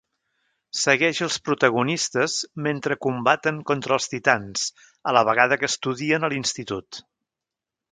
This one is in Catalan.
Segueix els protagonistes mentre combaten contra els titans a la vegada que estudien a l'institut.